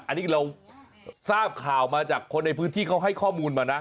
อันนี้เราทราบข่าวมาจากคนในพื้นที่เขาให้ข้อมูลมานะ